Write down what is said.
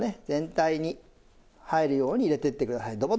全体に入るように入れていってください。